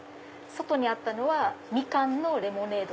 外にあったのはみかんのレモネード。